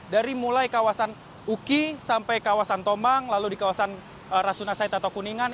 dari mulai kawasan uki sampai kawasan tombang lalu di kawasan rasunasaita atau kuningan